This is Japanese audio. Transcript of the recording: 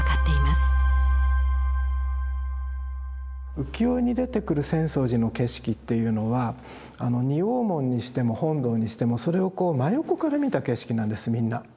浮世絵に出てくる浅草寺の景色っていうのは仁王門にしても本堂にしてもそれをこう真横から見た景色なんですみんな。